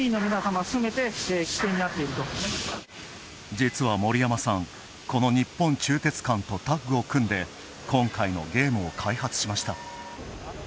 実は森山さん、この日本鋳鉄管とタッグを組んで今回のゲームを開発しました。